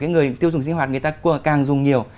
người tiêu dùng sinh hoạt người ta càng dùng nhiều